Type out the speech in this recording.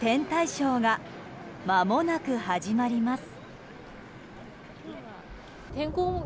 ショーがまもなく、始まります。